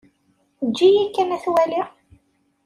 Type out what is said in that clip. Eǧǧ-iyi kan ad t-waliɣ.